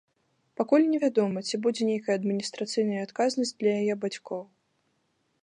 Пакуль невядома, ці будзе нейкая адміністрацыйная адказнасць для яе бацькоў.